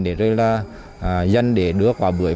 để tạo ra các ứng dụng truy xuất chuẩn nguồn gốc quốc gia